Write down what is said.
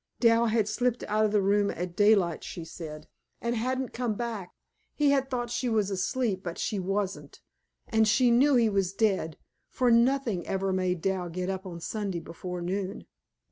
Dal had slipped out of the room at daylight, she said, and hadn't come back. He had thought she was asleep, but she wasn't, and she knew he was dead, for nothing ever made Dal get up on Sunday before noon.